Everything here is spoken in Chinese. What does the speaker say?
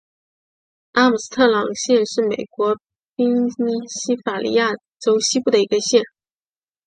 阿姆斯特朗县是美国宾夕法尼亚州西部的一个县。